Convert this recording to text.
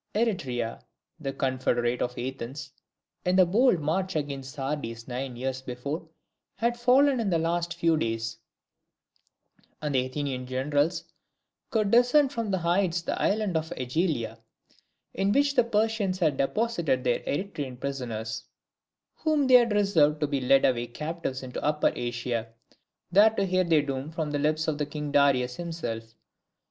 Eretria, the confederate of Athens in the bold march against Sardis nine years before, had fallen in the last few days; and the Athenian generals could discern from the heights the island of AEgilia, in which the Persians had deposited their Eretrian prisoners, whom they had reserved to be led away captives into Upper Asia, there to hear their doom from the lips of King Darius himself.